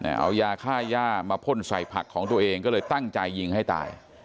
เอายาค่าย่ามาพ่นใส่ผักของตัวเองก็เลยตั้งใจยิงให้ตาย